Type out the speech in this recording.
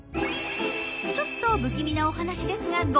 ちょっと不気味なお話ですがご安心を。